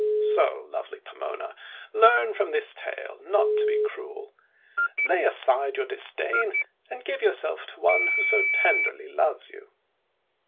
;<So, lovely Pomona, learn from this tale not to be cruel. Lay aside your disdain, and give yourself to one who so tenderly loves you!"